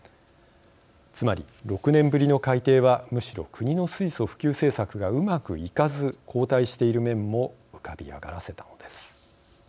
つまり６年ぶりの改定はむしろ国の水素普及政策がうまくいかず後退している面も浮かび上がらせたのです。